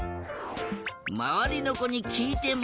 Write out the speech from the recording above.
まわりのこにきいても。